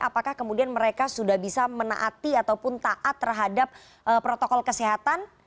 apakah kemudian mereka sudah bisa menaati ataupun taat terhadap protokol kesehatan